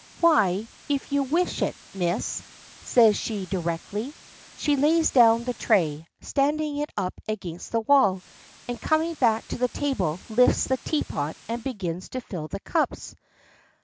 "Why, if you wish it, Miss," says she directly. She lays down the tray, standing it up against the wall, and coming back to the table lifts the teapot and begins to fill the cups.